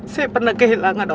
saya pernah kehilangan orang